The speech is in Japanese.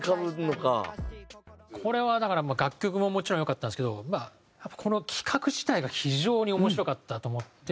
これはだから楽曲ももちろん良かったんですけどこの企画自体が非常に面白かったと思って。